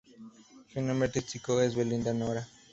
Su nombre artístico es Belinda Nora.